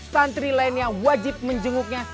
santri lainnya wajib menjenguknya